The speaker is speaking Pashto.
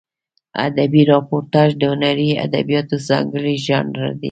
ادبي راپورتاژ د هنري ادبیاتو ځانګړی ژانر دی.